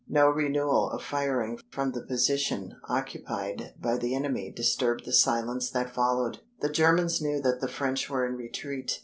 No renewal of firing from the position occupied by the enemy disturbed the silence that followed. The Germans knew that the French were in retreat.